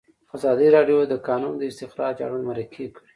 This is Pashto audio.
ازادي راډیو د د کانونو استخراج اړوند مرکې کړي.